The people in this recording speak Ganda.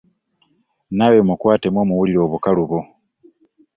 Naawe mukwatemu omuwulire obukalubo.